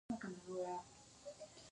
د کار موضوع او کاري وسایل یوه ټولګه جوړوي.